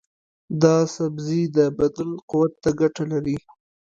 دا سبزی د بدن قوت ته ګټه لري.